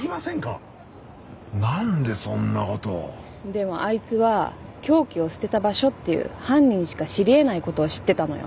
でもあいつは凶器を捨てた場所っていう犯人しか知り得ない事を知ってたのよ。